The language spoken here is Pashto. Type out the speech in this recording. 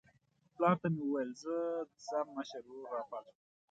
پلار ته مې وویل زه ځم مشر ورور راپاڅوم.